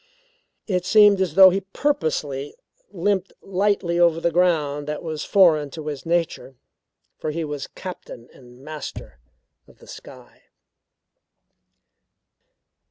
It seemed as though he purposely limped lightly over the ground that was foreign to his nature; for he was captain and master of the sky.